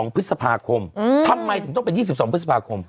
๒พฤษภาคมทำไมถึงต้องเป็น๒๒พฤษภาคม